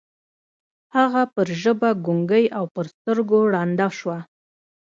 هغه پر ژبه ګونګۍ او پر سترګو ړنده شوه.